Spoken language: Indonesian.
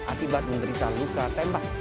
akibat menderita luka tembak